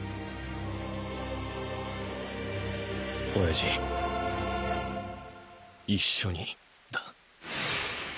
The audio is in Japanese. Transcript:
親父一緒にだ。